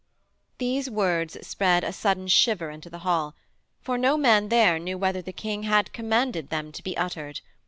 These words spread a sudden shiver into the hall, for no man there knew whether the King had commanded them to be uttered.